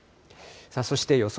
そして予想